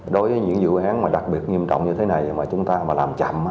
đối với những dự án mà đặc biệt nghiêm trọng như thế này mà chúng ta mà làm chậm